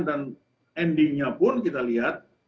dan endingnya pun kita lihat